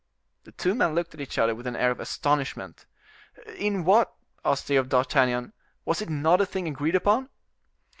The two men looked at each other with an air of astonishment. "In what?" asked they of D'Artagnan; "was it not a thing agreed upon?"